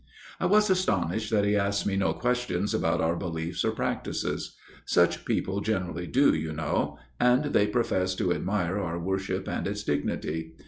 " I was astonished that he asked me no questions about our beliefs or practices. Such people generally do, you know ; and they profess to admire our worship and its dignity.